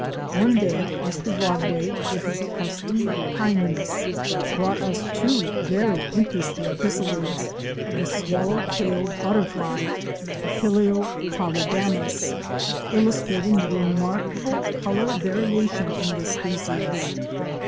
One day Mr. Rodway, with his accustomed kindness, brought us two very interesting chrysalids of the swallow tailed butterfly, Papilio polydamus, illustrating the remarkable color variation in this species.